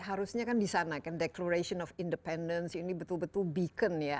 harusnya kan di sana kan declaration of independence ini betul betul beacon ya